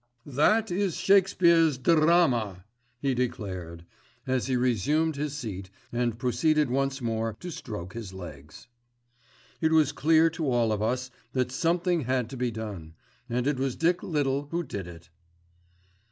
"That is Shakespeare's Deraaama," he declared, as he resumed his seat and proceeded once more to stroke his legs. It was clear to all of us that something had to be done, and it was Dick Little who did it.